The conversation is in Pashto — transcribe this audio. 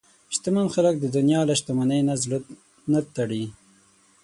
شتمن خلک د دنیا له شتمنۍ نه زړه نه تړي.